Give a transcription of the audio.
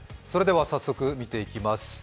早速見ていきます。